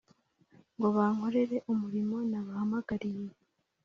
ngo bankorere umurimo nabahamagariye